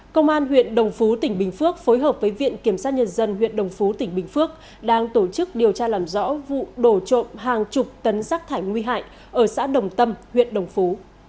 công an huyện đồng phú tỉnh bình phước phối hợp với viện kiểm sát nhân dân huyện đồng phú tỉnh bình phước đang tổ chức điều tra làm rõ vụ đổ trộm hàng chục tấn rác thải nguy hại ở xã đồng tâm huyện đồng phú